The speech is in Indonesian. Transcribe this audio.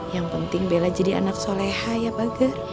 yang penting bella jadi anak soleha ya pak ger